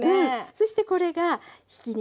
そしてこれがひき肉ね。